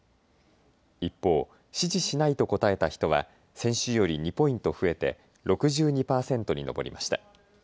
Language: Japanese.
一方、支持しないと答えた人は先週より２ポイント増えて６２％に上りました。